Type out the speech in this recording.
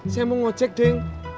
saya mau ngecek deng